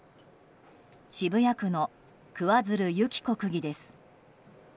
渋谷区の桑水流弓紀子区議です。